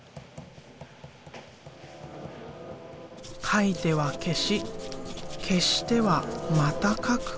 描いては消し消してはまた描く。